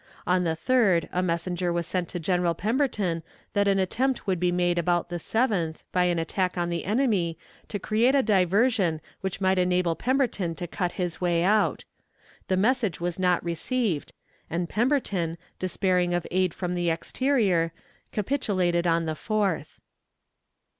On the 3d a messenger was sent to General Pemberton that an attempt would be made about the 7th, by an attack on the enemy, to create a diversion which might enable Pemberton to cut his way out. The message was not received, and Pemberton, despairing of aid from the exterior, capitulated on the 4th.